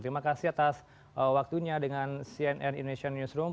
terima kasih atas waktunya dengan cnn indonesia newsroom